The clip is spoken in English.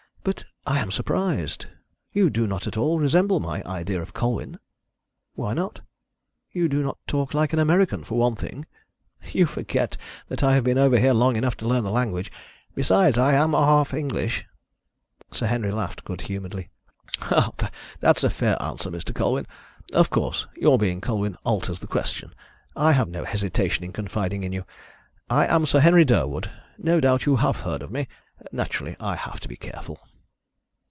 But I am surprised. You do not at all resemble my idea of Colwyn." "Why not?" "You do not talk like an American, for one thing." "You forget I have been over here long enough to learn the language. Besides, I am half English." Sir Henry laughed good humouredly. "That's a fair answer, Mr. Colwyn. Of course, your being Colwyn alters the question. I have no hesitation in confiding in you. I am Sir Henry Durwood no doubt you have heard of me. Naturally, I have to be careful."